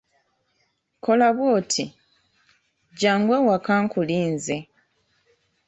Kola bw'oti, jjangu ewaka nkulinze.